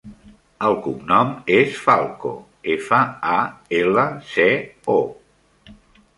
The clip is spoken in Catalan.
El cognom és Falco: efa, a, ela, ce, o.